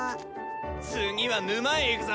次は沼へ行くぞ！